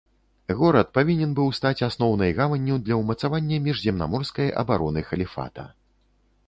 Горад павінен быў стаць асноўнай гаванню для ўмацавання міжземнаморскай абароны халіфата.